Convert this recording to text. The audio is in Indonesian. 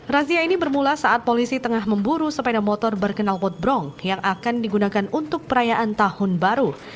razia ini bermula saat polisi tengah memburu sepeda motor berkenal potbrong yang akan digunakan untuk perayaan tahun baru